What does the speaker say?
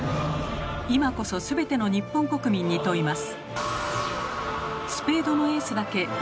今こそすべての日本国民に問います。